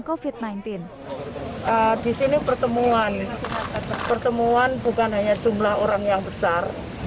kofit sembilan belas disini pertemuan pertemuan bukan hanya jumlah orang yang besar